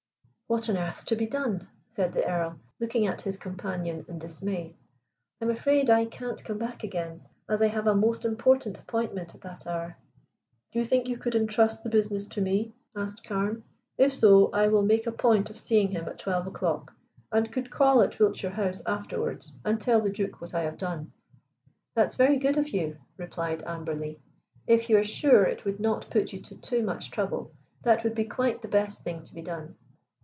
"What on earth's to be done?" said the Earl, looking at his companion in dismay. "I am afraid I can't come back again, as I have a most important appointment at that hour." "Do you think you could entrust the business to me?" asked Carne. "If so, I will make a point of seeing him at twelve o'clock, and could call at Wiltshire House afterwards and tell the Duke what I have done." "That's very good of you," replied Amberley. "If you are sure it would not put you to too much trouble, that would be quite the best thing to be done."